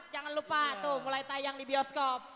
jangan lupa tuh mulai tayang di bioskop